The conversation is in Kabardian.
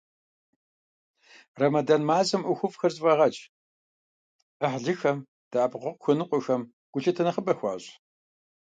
Рэмэдан мазэм ӀуэхуфӀхэр зэфӀагъэкӀ, Ӏыхьлыхэм, дэӀэпыкъуэгъу хуэныкъуэхэм гулъытэ нэхъыбэ хуащӀ.